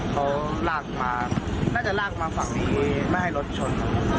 เขาลากมาน่าจะลากมาฝั่งนี้ไม่ให้รถชน